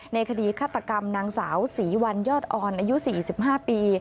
ในคดีฆาตกรรมนางสาวศรีวันยอดออนอายุสี่สิบห้าปี